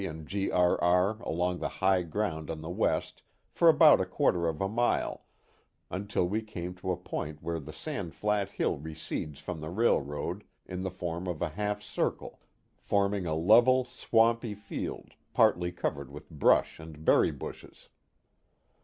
& G. R. R. along the high ground on the west for about a quarter of a mile, until we came to a point where the Sand Flat Hill recedes from the railroad in the form of a half circle, forming a level swampy field partly covered with brush and berry bushes.